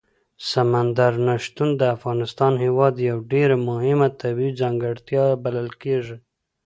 سمندر نه شتون د افغانستان هېواد یوه ډېره مهمه طبیعي ځانګړتیا بلل کېږي.